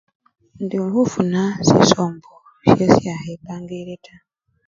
Indi khufuna sisombo syesi akhepangile taa.